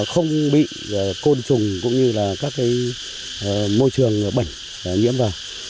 không bị côn trùng cũng như là các môi trường bẩn nhiễm vào